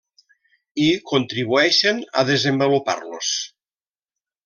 I contribueixen a desenvolupar-los.